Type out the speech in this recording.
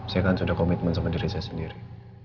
saya kan sudah komitmen sama diri saya sendiri